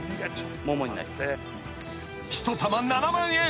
［１玉７万円。